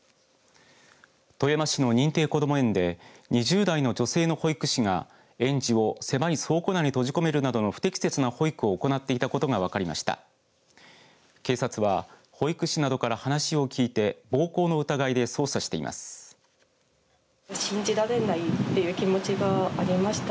富山市の認定こども園で２０代の女性の保育士が園児を狭い倉庫内に閉じ込めるなどの不適切な保育を行っていたことが分かりました。